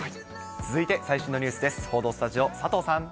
続いて、最新のニュースです。